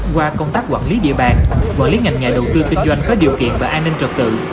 qua công tác quản lý địa bàn quản lý ngành nghề đầu tư kinh doanh có điều kiện và an ninh trật tự